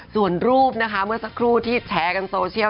ส่วนรูปนะคะเมื่อสักครู่ที่แชร์กันโซเชียล